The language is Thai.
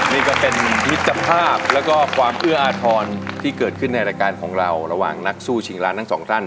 นี่ก็เป็นมิตรภาพแล้วก็ความเอื้ออาทรที่เกิดขึ้นในรายการของเราระหว่างนักสู้ชิงล้านทั้งสองท่าน